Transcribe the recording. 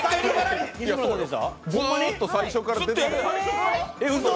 ずーっと最初から出てて。